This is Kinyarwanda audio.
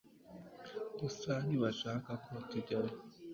gusa ntibashaka ko tujyayo